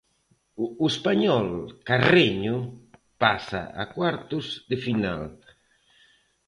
O español Carreño pasa a cuartos de final.